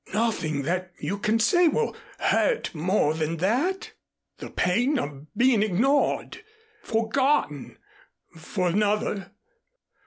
Nothing that you can say will hurt more than that, the pain of being ignored forgotten for another.